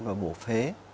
và bổ phế